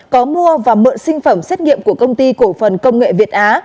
có mua và mượn sinh phẩm xét nghiệm của công ty cổ phần công nghệ việt á